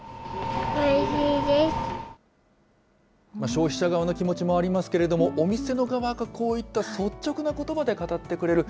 消費者側の気持ちもありますけれども、お店の側がこういった率直なことばで語ってくれる、